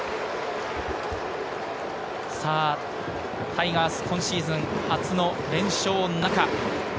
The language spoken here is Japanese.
タイガース、今シーズン初の連勝なるか。